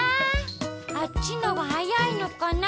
あっちのがはやいのかな。